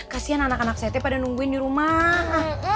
kasian anak anak saya pada nungguin di rumah